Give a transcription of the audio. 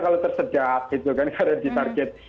kalau tersedak gitu kan karena di target